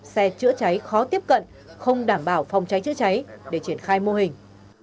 xe chữa cháy khó tiếp cận không đảm bảo phòng cháy chữa cháy để triển khai mô hình